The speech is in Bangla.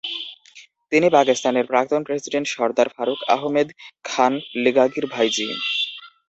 তিনি পাকিস্তানের প্রাক্তন প্রেসিডেন্ট সরদার ফারুক আহমেদ খান লেগারির ভাইঝি।